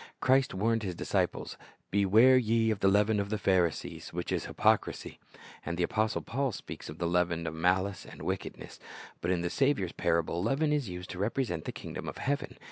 Christ warned His disciples, "Beware ye of the leaven of the Pharisees, which is hypocrisy." And the apostle Paul speaks of the "leaven of malice and wickedness."^ But in the Saviour's parable, leaven is used to represent the kingdom of heaven.